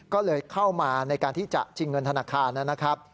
ก็เลยเข้ามาในการที่จะชิงเงินธนาคารนะครับ